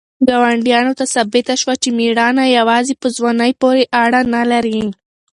ګاونډیانو ته ثابته شوه چې مېړانه یوازې په ځوانۍ پورې اړه نه لري.